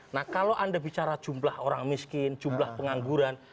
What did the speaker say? nah kalau anda bicara jumlah orang miskin jumlah pengangguran